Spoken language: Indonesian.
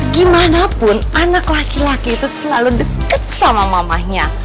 gimanapun anak laki laki itu selalu deket sama mamahnya